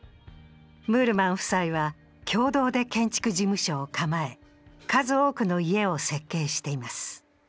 ムールマン夫妻は共同で建築事務所を構え数多くの家を設計しています。